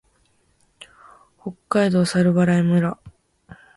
北海道猿払村